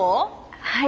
はい。